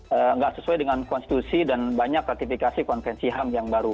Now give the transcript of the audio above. tidak sesuai dengan konstitusi dan banyak ratifikasi konvensi ham